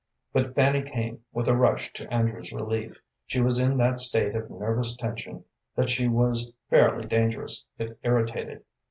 But Fanny came with a rush to Andrew's relief. She was in that state of nervous tension that she was fairly dangerous if irritated.